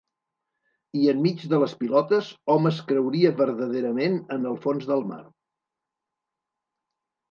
I enmig de les pilotes, hom es creuria verdaderament en el fons del mar.